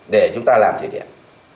để chúng ta làm thủy điện